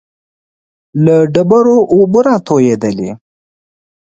له ډبرو اوبه را تويېدلې.